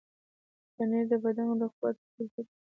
پنېر د بدن د قوت برخه ده.